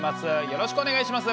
よろしくお願いします。